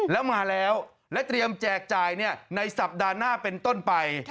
แล้วมาแล้วและเตรียมแจกจ่ายในสัปดาห์หน้าเป็นต้นไป